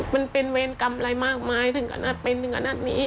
มันเป็นเวรกรรมอะไรมากมายถึงขนาดเป็นถึงขนาดนี้